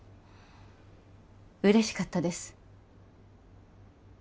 嬉しかったです